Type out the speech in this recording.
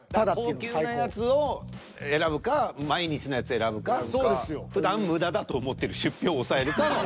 高級なやつを選ぶか毎日のやつを選ぶかふだん無駄だと思ってる出費を抑えるかの。